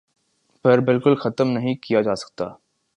پر بالکل ختم نہیں کیا جاسکتا